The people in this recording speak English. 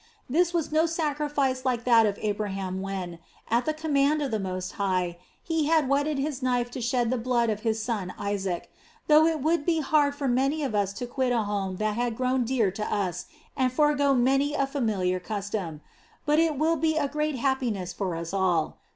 This was no sacrifice like that of Abraham when, at the command of the Most High, he had whetted his knife to shed the blood of his son Isaac, though it would be hard for many of us to quit a home that had grown dear to us and forego many a familiar custom. But it will be a great happiness for us all.